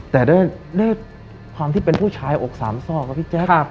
แต่ด้วยความที่เป็นผู้ชายอกสามซอกอะพี่แจ๊ค